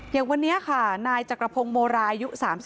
อย่างวันนี้ค่ะนายจักรพงศ์โมรายุ๓๔